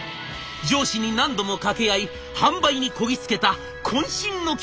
上司に何度も掛け合い販売にこぎつけたこん身の企画でした。